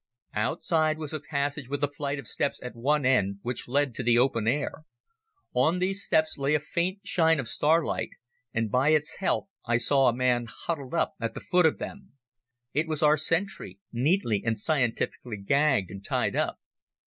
Outside was a passage with a flight of steps at one end which led to the open air. On these steps lay a faint shine of starlight, and by its help I saw a man huddled up at the foot of them. It was our sentry, neatly and scientifically gagged and tied up.